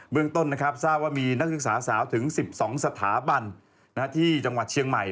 เรื่องต้นนะครับทราบว่ามีนักศึกษาสาวถึง๑๒สถาบันที่จังหวัดเชียงใหม่